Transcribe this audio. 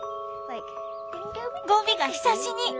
ゴビがひさしに！